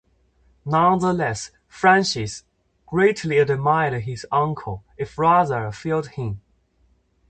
Nonetheless, Francis greatly admired his uncle, if rather feared him.